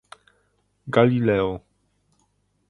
Galileo